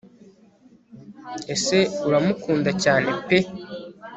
ese uramukunda cyane pe